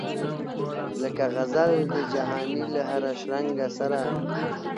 لکه غزل د جهاني له هره شرنګه سره